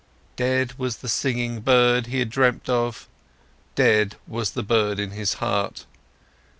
Dead was the singing bird he had dreamt of. Dead was the bird in his heart.